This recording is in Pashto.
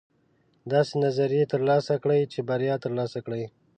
داسې نظریې ترلاسه کړئ چې بریا ترلاسه کړئ.